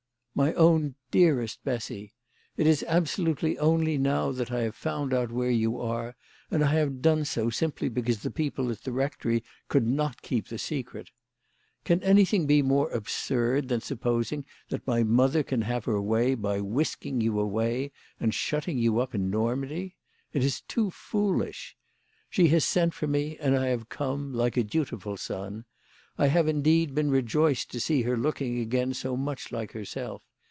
" My own dearest Bessy, It is absolutely only now that I have found out where you are, and have done so simply because the people at the rectory could not keep the secret. Can anything be more absurd than sup posing that my mother can have her way by whisk ing you away, and shutting you up in Normandy? It is too foolish ! She has sent for me, and I have come like a dutiful son. I have, indeed, been rejoiced to see her looking again so much like herself.